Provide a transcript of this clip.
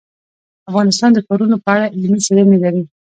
افغانستان د ښارونو په اړه علمي څېړنې لري.